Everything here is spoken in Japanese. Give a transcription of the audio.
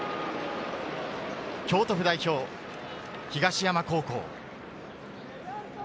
京都府代表・東山高校。